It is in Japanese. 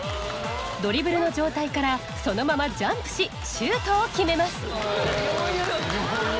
ドリブルの状態からそのままジャンプしシュートを決めます。